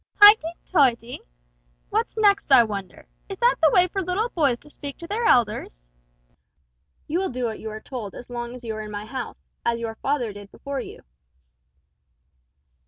"Hoighty toity! What next, I wonder. Is that the way for little boys to speak to their elders. You will do what you are told as long as you are in my house, as your father did before you."